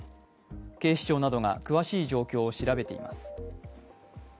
警視庁などが詳しい状況を調べています。